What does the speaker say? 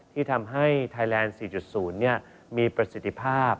ที่ทำให้ไทยแลนด์๔๐มีประสิทธิภาพ